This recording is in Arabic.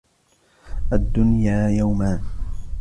الدُّنْيَا يَوْمَانِ